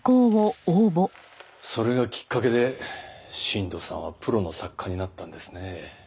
それがきっかけで新道さんはプロの作家になったんですね。